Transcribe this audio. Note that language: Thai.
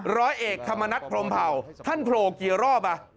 ร้อยเอกธรรมนัฐพรมเผ่าท่านโผล่กี่รอบอ่ะ